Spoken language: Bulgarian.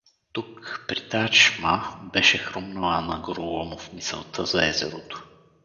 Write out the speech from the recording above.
Тук, при тая чешма, беше хрумнала на Гороломов мисълта за езерото.